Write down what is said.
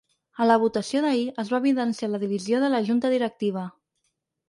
A la votació d’ahir, es va evidenciar la divisió de la junta directiva.